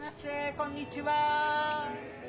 こんにちは。